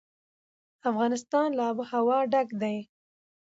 افغانستان له آب وهوا ډک دی.